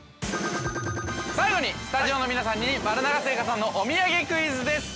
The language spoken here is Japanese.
◆最後に、スタジオの皆さんに丸永製菓さんのお土産クイズです。